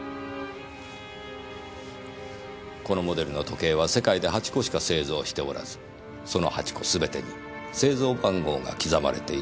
このモデルの時計は世界で８個しか製造しておらずその８個すべてに製造番号が刻まれているとか。